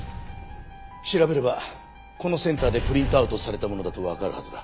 調べればこのセンターでプリントアウトされたものだとわかるはずだ。